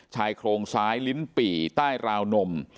ชายโครงซ้ายลิ้นปี่ใต้ราวนม